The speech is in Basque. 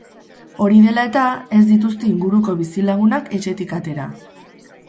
Hori dela eta, ez dituzte inguruko bizilagunak etxetik atera.